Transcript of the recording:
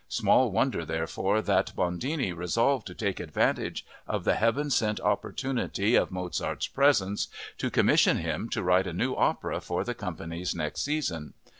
Small wonder, therefore, that Bondini resolved to take advantage of the heaven sent opportunity of Mozart's presence to commission him to write a new opera for the company next season.